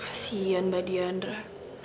kasihan mbak diandra